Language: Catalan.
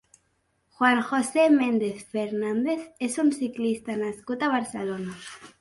Juan José Méndez Fernández és un ciclista nascut a Barcelona.